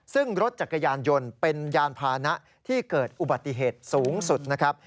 ซึ่งรถจักรยานยนต์เป็นยานพานะที่เกิดอุบัติเหตุสูงสุดนะครับ